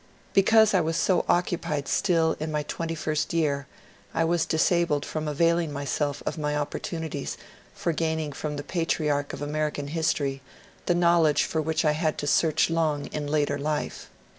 *' Because I was so occupied still in my twenty first year I was disabled from availing myself of my opportunities for gaining from the patriarch of American history the knowledge for which I had to search long in later life.